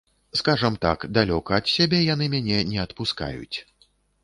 Скажам так, далёка ад сябе яны мяне не адпускаюць.